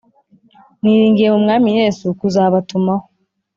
Niringiye mu Mwami Yesu kuzabatumaho